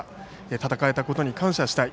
戦えたことに感謝したい。